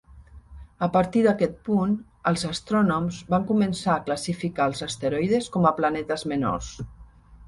A partir d'aquest punt, els astrònoms van començar a classificar als asteroides com planetes menors.